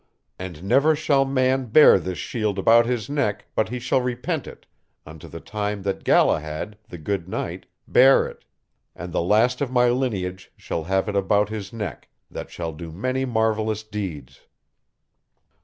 And never shall man bear this shield about his neck but he shall repent it, unto the time that Galahad, the good knight, bare it; and the last of my lineage shall have it about his neck, that shall do many marvelous deeds.